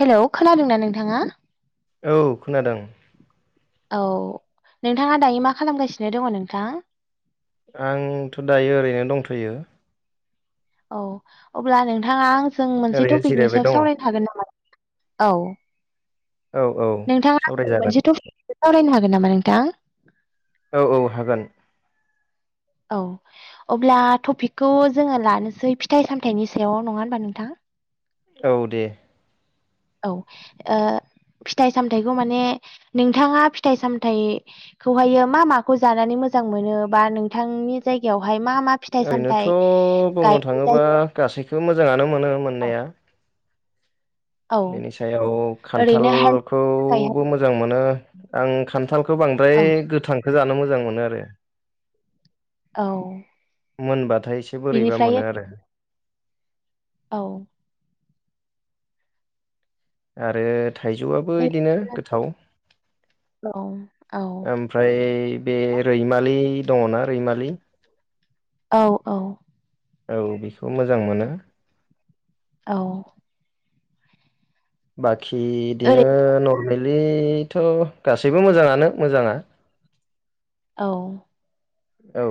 Hello खोनादों ना नोंथाङा? औ खोनादों। औ नोंथाङा दायो मा खालामगासिनो दङ' नोंथां? आंथ' दायो ओरैनो दंथ'यो। औ अब्ला नोंथाङा आं जों मोनसे ओरैनो टपिकनि जिरायबाय सायाव दङ सावरायनो हागोन नामा? औ औ औ नोंथाङा आं सावरायजागोन मोनसे टपिको सावरायनो हागोन नामा नोंथां? औ औ हागोन। औ अब्ला टपिकखौ जोंङो लानोसै फिथाइ सामथायाइनि सायाव नंङा होनोमबा नोंथां? औ दे औ ओ फिथाइ सामथायाइखौ माने नोंथाङा फिथाइ सामथाइ खौहायो मा माखौ जानानै मोजां मोनो बा नोंथांनि जायगायावहाय मा मा फिथाइ ओरैनोथ' सामथाइ बुंनो गायनाय थाङोबा जायो गासैखौ मोजांङानो मोनो औ मोननाया औ बेनि सायाव ओरैनो हेल्थ थाखाय खान्थालखौबो मोजां मोनो। आं खान्थाल खौ औ बांद्राय गोथांखौ जानो मोजां मोनो आरो। औ। मोनबाथाय एसे बोरैबा बिनिफ्राय मोनो आरो औ। आरो थाइजौआबो इदिनो ओरैनो गोथाव। ओम औ औ ओमफ्राय बे रैमालि दङना रैमालि औ औ। औ बेखौ मोजां मोनो। औ। बाखि बिदिनो ओरै नर्मेलिथ' गासैबो मोजाङानो मोजाङा। औ। औ।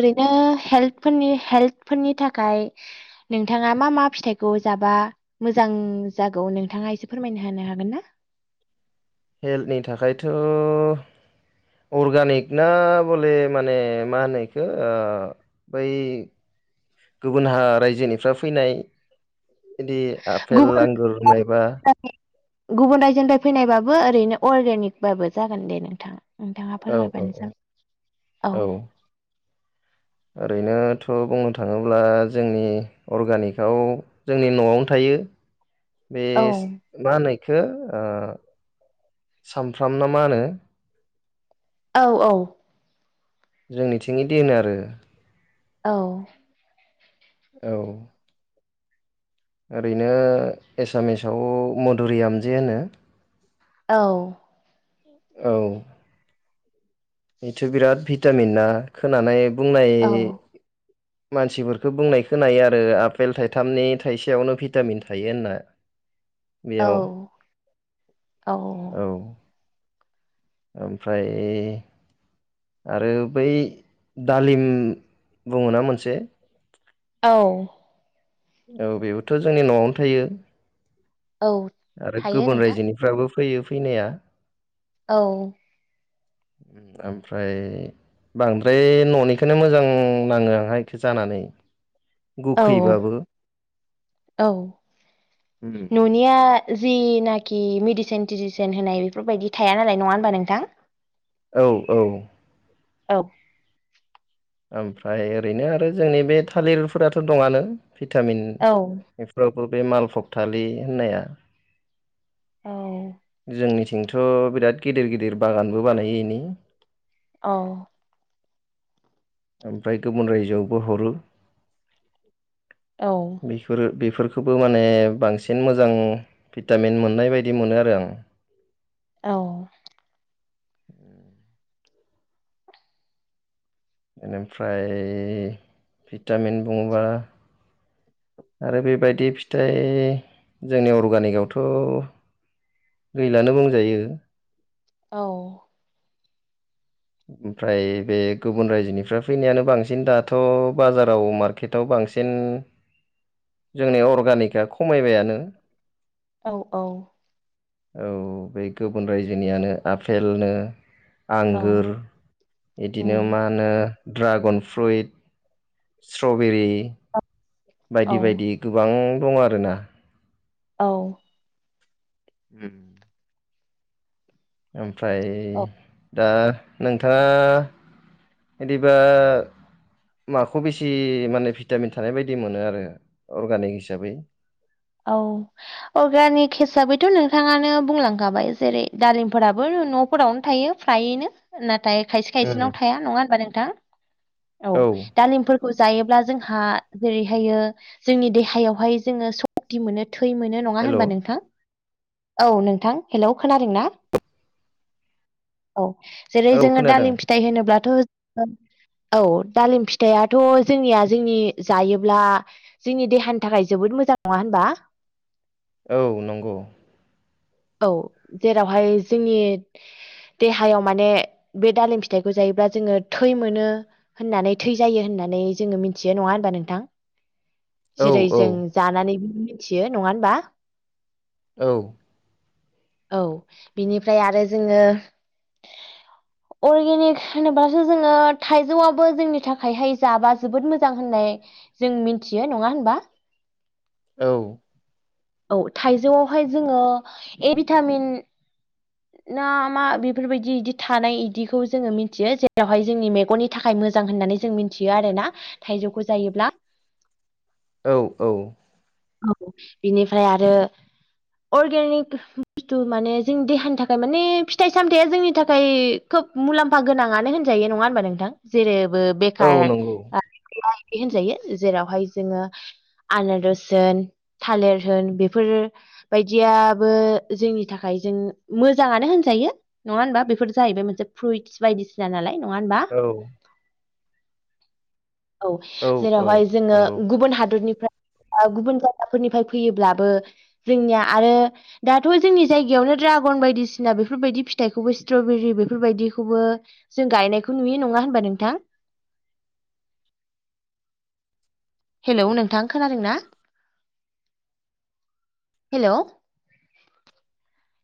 ओरैनो हेल्थ फोरनि हेल्थफोरनि थाखाय नोंथाङा मा मा फिथाइखौ जाबा मोजां जागौ नोंथाङा एसे फोरमायना होनो हागोन ना? हेल्थनि थाखायथ' अर्गानिक ना बले माने मा होनो बेखौ ओ बै गुबुन रायजोनिफ्राय फैनाय बिदि आफेल गुबुन आंगुर मायबा गुबुन रायजोदाय फैनायबाबो ओरैनो अर्गेनिकबाबो जागोन दे नोंथाङ। नोंथाङा औ औ फोरमायबानो औ ओरैनोथ' बुंनो थाङोब्ला जोंनि अर्गानिकआव जोंनि न'आवनो थायो [inaudible] बे मा होनो इखौ ओ सामफ्रामना मा होनो? औ औ जोंनिथिं दे होनो आरो औ औ ओरैनो एसामिसाव मधुरियामजे होनो। औ औ बेथ' बिराद भिटामिन ना खोनानाय बुंनाय औ मानसिफोरखौ बुंनाय खोनायो आरो आफपेल थाइथामनि थाइसेयावनो भिटामिन थायो होनना औ बेयाव औ औ। ओमफ्राय आरो बै दालिम बुङोना मोनसे औ औ बेबोथ' जोंनि न'आवनो थायो औ आरो थायो गुबुन नोंथां रायजोनि फ्राबो फैयो फैनाया। औ ओमफ्राय बांद्राय न'निखोनो मोजां नाङो आंहा इखौ जानानै। औ गोखैबाबो औ। उम। निया जिनाखि मेडिसिन तिडिसिन होनाय बेफोरबायदि थाया नालाय नङा होनबा नोंथां। औ औ औ ओमफ्राय ओरैनो आरो जोंनि बे थालिरफोराथ' दंआनो भिटामिन। औ बे मालफबथालि होननाया औ जोंनि थिंथ' बिराद गिदिर गिदिर बागानबो बानायो इनि औ ओमफ्राय गुबुन रायजोआवबो हरो। औ बेफोरो बेफोरखौबो माने बांसिन मोजां भिटामिन मोननाय बायदि मोनो आरो आं। औ बेनिफ्राय भिटामिन बुङोबा आरो बेबायदि फिथाइ जोंनि अर्गानिकआवथ' गैलानो बुंजायो। औ ओमफ्राय बे गुबुन रायजोनिफ्राय फैनायानो बांसिन दाथ' बाजाराव मार्केटाव बांसिन। जोंनि अर्गानिकआ खमायबायानो। औ औ औ बे गुबुन रायजोनियानो आफेलनो औ आंगुर बिदिनो उम मा होनो ड्रागन फ्रुइट स्ट्रबेरि औ बायदि बायदि गोबां दं आरोना। औ उम। ओमफ्राय दा नोंथाङा बिदिबा माखौ बेसि माने भिटामिन थानाय बायदि मोनो आरो अर्गानिक हिसाबै औ अर्गानिक हिसाबैथ' नोंथाङानो बुंलांखाबाय जेरै दालिमफोराबो न'फोरावनो थायो फायनो नाथाय खायसे खायसेनाव थाया नङा होनबा नोंथां औ दालिम जायोब्ला जोंहा जेरैह जोंनि देहायावहाय जोङ फुरथि मोनो थै मोनो नङा हेल' होनबा नोंथां औ नोंथां हेलौ खोनादों ना औ जेरै औ जोङो खोनादों दालिम फिथाइ होनोब्लाथ' औ दालिम फिथाइथ' जोंनिया जोंनि जायोब्ला जोंनि देहानि थाखाय जोबोद मोजां नङा होनबा औ नंगौ औ जेरावहाय जोंनि देहायाव माने बे दालिम फिथाइखौ जायोब्ला जोङो थै मोनो। होननानै थै जायो होननानै जोङो मिथियो नङा होनबा नोंथां। औ जेरै औ जों जानानै बि मिथियो नङा होनबा। औ औ बिनिफ्राय आरो जोङो अर्गेनिक होनोब्लासो जोङो थाइजौआबो जोंनि थाखायहाय जाबा जोबोद मोजां होननाय। जों मिथियो नङा होनबा। औ औ थाइजौआवहाय जोङो ए भिटामिन ना मा बेफोरबायदि बिदि थानाय बिदिखौ जोङो मिथियो जेरावहाय जोंनि मेगननि नि थाखाय मोजां होननानै जों मिथियो आरोना थाइजौखौ जायोब्ला औ औ औ बिनिफ्राय आरो अर्गेनिक बुस्थु माने जोंनि देहानि थाखाय माने फिथाइ सामथायाइया जोंनि थाखाय खोब मुलाम्फा गोनाङानो होनजायो नङा होनबा नोंथां जेरैबो औ बेखार नंगौ होनजायो जेरावहाय जोङो आन होन थालिर होन बेफोरो बायदियाबो जोंनि थाखाय जों मोजाङानो होनजायो नङा हबा बेफोर जाहैबाय मोनसे फ्रुइटस बायदिसिना नालाय नङा होनबा औ औ औ जेरावहाय जोङो नंगौ गुबुन हादरनिफ्राय गुबुन जायगाफोरनिफ्राय फैयोब्लाबो जोंनिया आरो दाथ' जोंनि जायगायावनो दड्रागन बायदिसिना बेफोरबायदि फिथाइखौबो स्ट्रबेरि बेफोरबायदिखौबो जों गायनायखौ नुयो नङा होनबा नोंथां हेलौ नोंथां खोनादों ना हेल'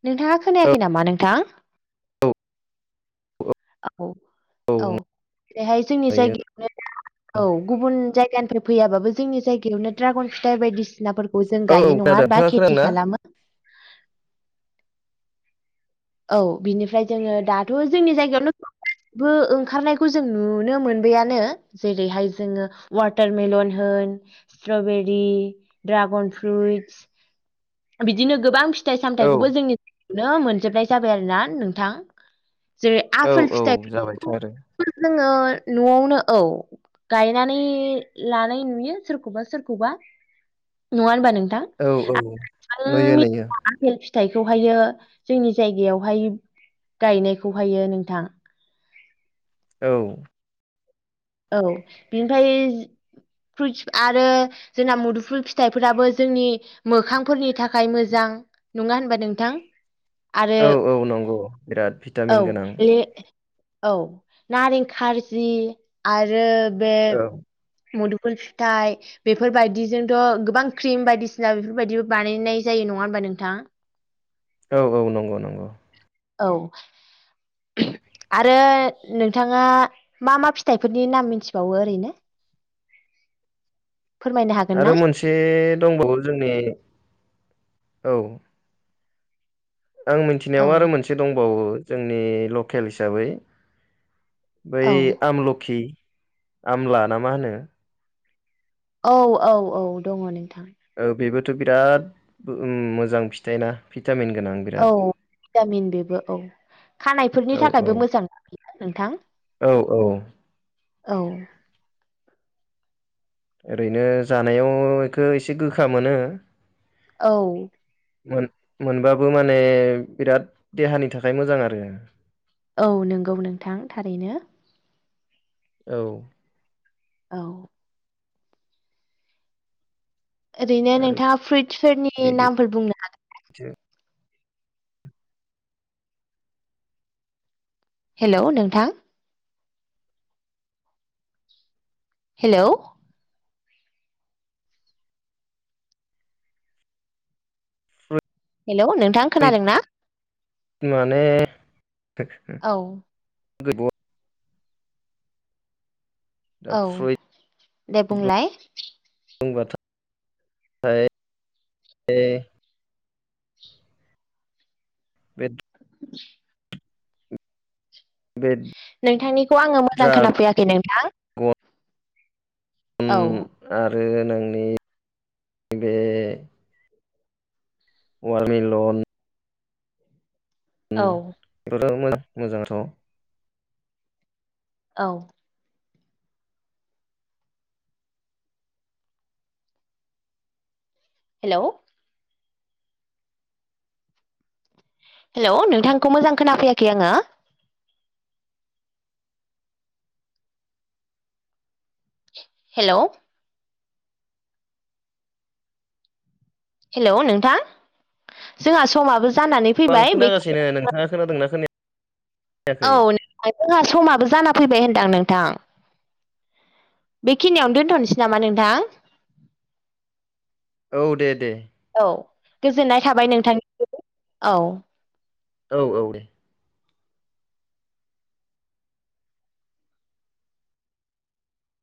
नोंथाङा औ खोनायाखै नामा नोंथां औ औ बेहाय जोंनि नुयो जायगायावनो औ गुबुन जायगानि फैयाबो जोंनि जायगायावनो ड्रागन फिथाइ बायदिसिनाफोरखौ जों औ गायो नङा खोनादों होनबा नोंथाङा खेथि खोनादोंना खालामो औ बिनिफ्राय जोङो दाथ' जोंनि जायगायावनो बो ओंखारनायखौ जों नुनो मोनबाययानो जेरैहाय जोङो वाटारमेलन होन स्ट्रबेरि दड्रागन फ्रुइटस बिदिनो गोबां फि फिथाइ औ सामथायाइखौबो जोंनिायावनो मोनजोबनाय जाबाय आरो ना नोंथां जेरै औ आफेल औ फिथाइ जाबायथ' आरो जोङो न'आवनो औ गायनानै लानाय नुयो सोरखौबा सोरखौबा नङा होनबा नोंथां औ औ नुयो नुयो आफपेल फिथाइखौहायो जोंनि जायगायावहाय गायनायखौहायो नोंथां औ औ बेनिफ्राय फ्रुइस आरो जोंना मुदुफुल फिथाइफोराबो जोंनि मोखांफोरनि थाखाय मोजां। नङा होनबा नोंथां? आरो औ औ नंगौ बिराद औ भिटामिन गोनां ल औ नारें खारजि आरो बे औ मदुफुल फिथाइ बेफोरबायदिजोंथ' गोबां क्रिम बायदिसिना बेफोरबायदिबो बानायनाय जायो। नङा होनोमबा नोंथां? औ औ नंगौ नंगौ। औ। आरो नोंथाङा मा मा फिथाइफोरनि नाम मिथिबावो ओरैनो [inaudible] हागोन ना? आरो मोनसे दंबावो जोंनि औ आं औ मिथिनायाव आरो मोनसे दंबावो जोंनि लकेल हिसाबै बै औ आमलखि आमला ना मा होनो औ औ औ दङ नोंथां औ बेबोथ' बिराद मोजां फिथाइ ना भिटामिन गोनां औ बिराद भिटामिन बेबो औ खानायफोरनि औ औ थाखायबो मोजांफैया नोंथां औ औ औ। ओरैनो जानायाव एखौ एसे गोखा मोनो। औ। मोन मोनबाबो माने बिराद देहानि थाखाय मोजां आरो औ नंगौ नोंथां थारैनो। औ। औ। ओरैनो आरो नोंथांङा फ्रुइटसफोरनि बिदि नामफोर बुंनो हागोन। [inaudible] हेल' नोंथां। हेल' हेल' नोंथां खोनादोंना [inaudible] माने [inaudible] [unintelligible] औ। [inaudible] दा औ फ्रुइट दे बुंलाय। बुंबाथ' ए बे [inaudible] बे नोंथांनिखौ आंङो मोजां ड्रागन खोनाफैयाखै नोंथां। औ आरो नोंनि बे वारमिलन औ। बेखौथ [inaudible] ' मोजांङाथ' औ। हेल' हेल' नोंथांखौ मोजां खोनाफैयाखै आंङो। हेल' हेल' नोंथां जोंहा समाबो जानानै आं फैबाय खोना बे गासिनो नोंथांङा खोनादों नना खोना? औ नों जोंहा समाबो जाना फैबाय होनदां नोंथां। बेखिनियाव दोनथ'नोसै नामा नोंथां? औ दे दे औ गोजोननाय थाबाय नोंथांनि औ औ औ दे